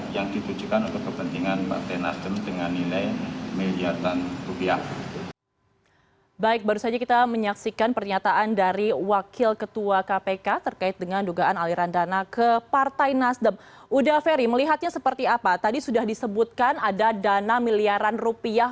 yang ditujukan untuk kepentingan partai nasdem dengan nilai miliaran rupiah